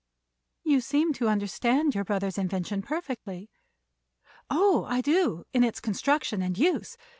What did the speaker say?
"You seem to understand your brother's invention perfectly." "Oh, I do, in its construction and use.